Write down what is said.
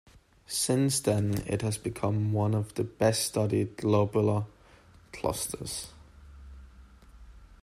Since then, it has become one of the best-studied globular clusters.